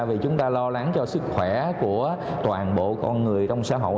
vì chúng ta lo lắng cho sức khỏe của toàn bộ con người trong xã hội